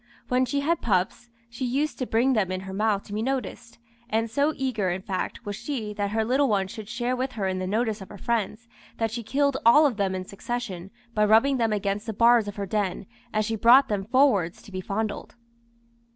When she had pups, she used to bring them in her mouth to be noticed; and so eager, in fact, was she that her little ones should share with her in the notice of her friends, that she killed all of them in succession by rubbing them against the bars of her den, as she brought them forwards to be fondled."